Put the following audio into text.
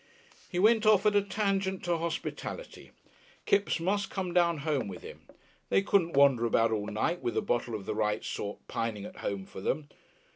He went off at a tangent to hospitality. Kipps must come down home with him. They couldn't wander about all night, with a bottle of the right sort pining at home for them.